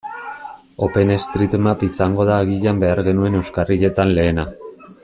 OpenStreetMap izango da agian behar genuen euskarrietan lehena.